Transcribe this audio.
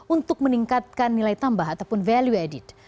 untuk meningkatkan nilai tambah ataupun value added